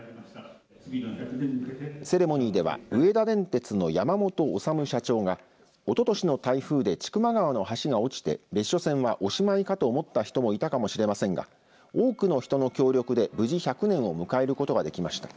セレモニーでは上田電鉄の山本修社長がおととしの台風で千曲川の橋が落ちて別所線はおしまいかと思った人もいたかもしれませんが多くの人の協力で無事、１００年を迎えることができました。